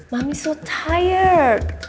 mami sangat penat